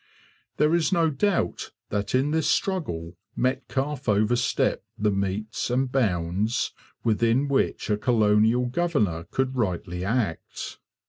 There is no doubt that in this struggle Metcalfe overstepped the metes and bounds within which a colonial governor could rightly act.